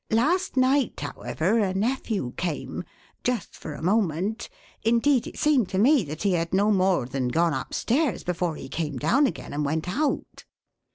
Last night, however, a nephew came just for a moment; indeed, it seemed to me that he had no more than gone upstairs before he came down again and went out.